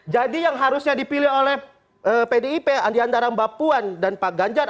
jadi yang harusnya dipilih oleh pdip di antara mbak puan dan pak ganjar